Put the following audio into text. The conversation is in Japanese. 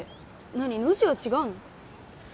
何ノジは違うの？